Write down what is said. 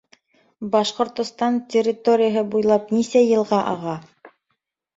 Башҡортостан территорияһы буйлап нисә йылға аға?